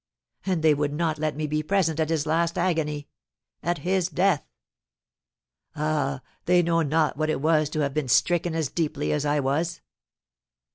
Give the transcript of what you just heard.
And they would not let me be present at his last agony, at his death! Ah, they know not what it was to have been stricken as deeply as I was!